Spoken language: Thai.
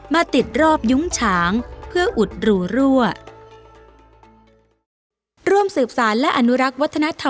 ติดรอบยุ้งฉางเพื่ออุดรูรั่ว